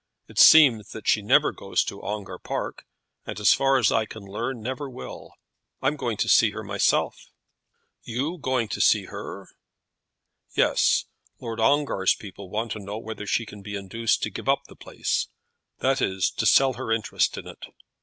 It seems that she never goes to Ongar Park, and, as far as I can learn, never will. I'm going to see her myself." "You going to see her?" "Yes; Lord Ongar's people want to know whether she can be induced to give up the place; that is, to sell her interest in it.